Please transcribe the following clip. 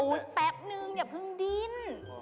แป๊บนึงอย่าเพิ่งดิ้น